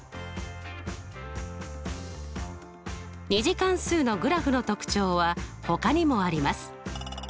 ２次関数のグラフの特徴はほかにもあります。